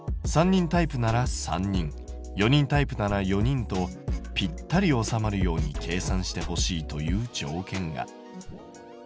３人タイプなら３人４人タイプなら４人とぴったり収まるように計算してほしいという条件が。